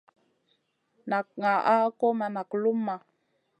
Nak ŋaʼa kò ma nak luma.